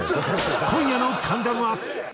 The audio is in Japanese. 今夜の『関ジャム』は。